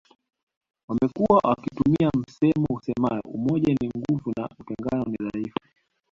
Wamekuwa wakitumia msemo usemao umoja ni nguvu na utengano ni udhaifu